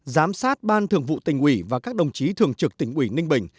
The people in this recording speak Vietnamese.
một giám sát ban thường vụ tình ủy và các đồng chí thường trực tình ủy ninh bình